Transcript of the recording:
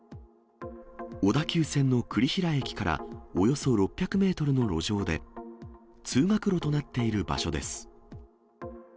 小田急線の栗平駅からおよそ６００メートルの路上で、通学路となっている場所です。